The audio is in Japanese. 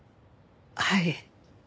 はい。